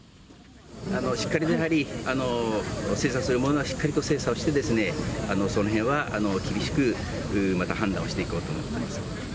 しっかりやはり、精査するものはしっかりと精査をして、そのへんは厳しく、また判断をしていこうと思ってます。